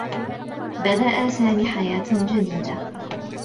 بدأ سامي حياة جديدة.